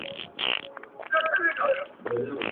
د اسلام په لار کي تګ زموږ عزت دی.